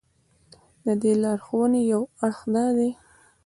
د دې لارښوونې یو اړخ دا دی.